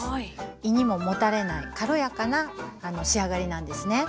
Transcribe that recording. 胃にももたれない軽やかな仕上がりなんですね。